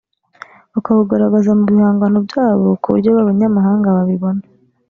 bakawugaragaza mu bihangano byabo kuburyo n’abanyamahanga babibona